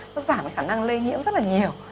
nó giảm cái khả năng lây nhiễm rất là nhiều